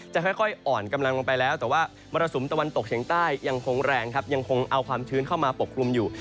จะค่อยอ่อนกำลังลงไปแล้วแต่ว่ามรสุมตะวันตกเฉียงใต้ยังคงแรงครับยังคงเอาความชื้นเข้ามาปกคลุมอยู่